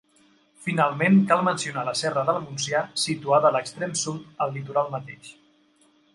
Finalment cal mencionar la Serra del Montsià, situada a l'extrem sud al litoral mateix.